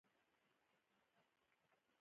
قلم له ماضي سره اړیکه لري